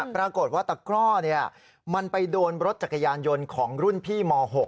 ปรากฏว่าตะกร่อมันไปโดนรถจักรยานยนต์ของรุ่นพี่ม๖